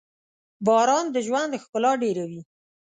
• باران د ژوند ښکلا ډېروي.